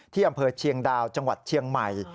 อำเภอเชียงดาวจังหวัดเชียงใหม่